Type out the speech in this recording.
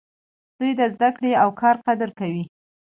دوی د زده کړې او کار قدر کوي.